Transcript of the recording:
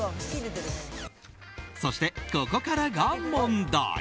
そして、ここからが問題。